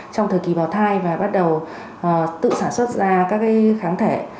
trong thời kỳ bảo thai và bắt đầu tự sản xuất ra các kháng thể